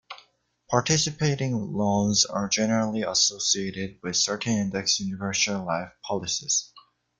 Participating loans are generally associated with certain Index Universal Life policies.